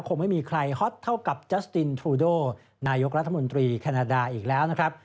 คงไม่มีใครฮอตเท่ากับจัสตินทรูโดนายกรัฐมนตรีแคนาดาอีกแล้วนะครับ